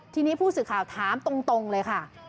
ทีนี้ผู้สื่อข่าวถามตรงเลยค่ะ